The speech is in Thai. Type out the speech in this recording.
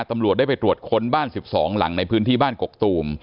ตำรวจได้ไปตรวจค้นบ้าน๑๒หลังในพื้นที่บ้านกกตูม